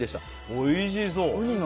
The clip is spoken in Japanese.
おいしそう。